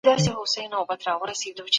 احسان الله عارف احسان الله غروب